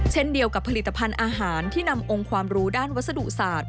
เช่นเดียวกับผลิตภัณฑ์อาหารที่นำองค์ความรู้ด้านวัสดุศาสตร์